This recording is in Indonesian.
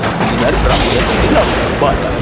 dia mencari anaknya di seluruh kota